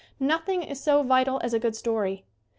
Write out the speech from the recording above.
Nothing is so vital as a good story.